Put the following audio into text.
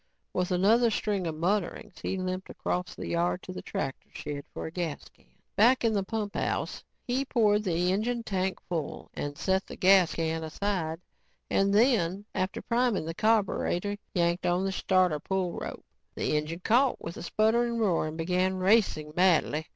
With another string of mutterings, he limped across the yard to the tractor shed for a gas can. Back in the pumphouse, he poured the engine tank full, set the gas can aside and then, after priming the carburetor, yanked on the starter pull rope. The engine caught with a spluttering roar and began racing madly.